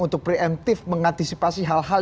untuk preemptif mengantisipasi hal hal